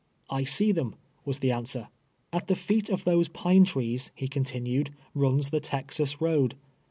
" I see them," was the answer. " At the feet of those pine trees," he continued, " runs the Texas road.